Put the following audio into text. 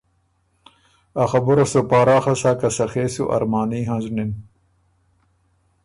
اخبُره سُو پاراخه سَۀ که سخے سو ارماني هںزنِن۔